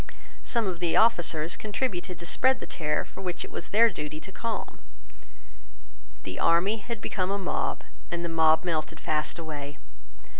Some of the officers contributed to spread the terror which it was their duty to calm. The army had become a mob; and the mob melted fast away.